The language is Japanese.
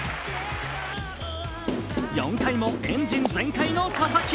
４回もエンジン全開の佐々木。